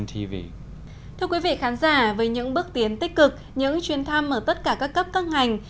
thưa quý vị khán giả với những bước tiến tích cực những chuyến thăm ở tất cả các cấp các ngành